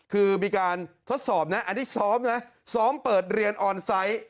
คือมีการทดสอบนะอันนี้ซ้อมนะซ้อมเปิดเรียนออนไซต์